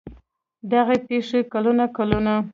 دغې پېښې کلونه کلونه